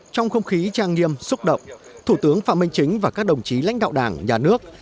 trong không khí trang nghiêm xúc động thủ tướng phạm minh chính và các đồng chí lãnh đạo đảng nhà nước